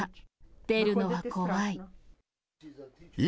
出るのは怖い。